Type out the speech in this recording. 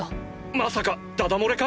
まさかだだ漏れか？